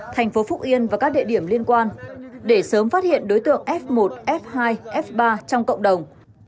thành phố phúc yên và các địa điểm liên quan để sớm phát hiện đối tượng f một f hai f ba trong cộng đồng